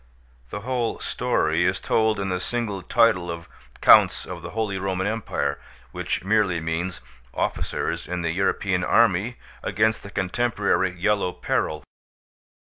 The whole story is told in the single title of Counts of the Holy Roman Empire, which merely means officers in the European army against the contemporary Yellow Peril.